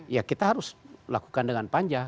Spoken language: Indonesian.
ya kita harus lakukan dengan panjang